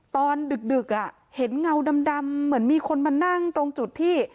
ดึกเห็นเงาดำเหมือนมีคนมานั่งตรงจุดที่